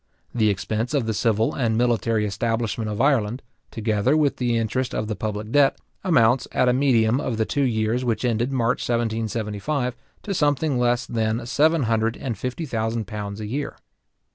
The expense of the civil and military establishment of Ireland, together with the interest of the public debt, amounts, at a medium of the two years which ended March 1775, to something less than seven hundred and fifty thousand pounds a year.